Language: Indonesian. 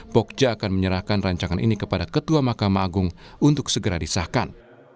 pokja akan menyerahkan rancangan ini kepada ketua mahkamah agung untuk segera disahkan